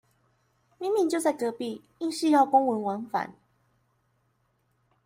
明明就在隔壁，硬是要公文往返